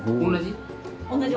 同じ？